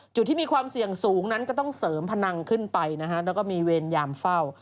ที่มีความเสี่ยงสูงนั้นก็ต้องเสริมพนังขึ้นไปนะฮะแล้วก็มีเวรยามเฝ้า